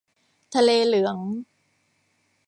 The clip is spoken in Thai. ทะเลเหลือง